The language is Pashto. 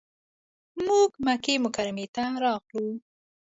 موږ مکې مکرمې ته راغلو.